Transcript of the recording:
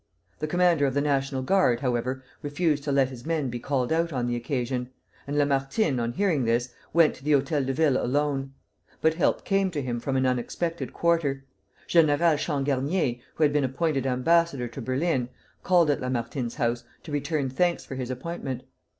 The commander of the National Guard, however, refused to let his men be called out on the occasion; and Lamartine, on hearing this, went to the Hôtel de Ville alone. But help came to him from an unexpected quarter. General Changarnier, who had been appointed ambassador to Berlin, called at Lamartine's house to return thanks for his appointment.